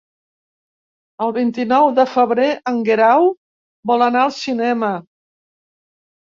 El vint-i-nou de febrer en Guerau vol anar al cinema.